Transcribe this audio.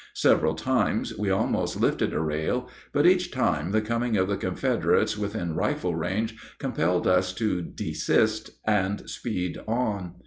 Several times we almost lifted a rail, but each time the coming of the Confederates within rifle range compelled us to desist and speed on.